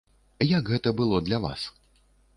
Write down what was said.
Як гэта было для вас?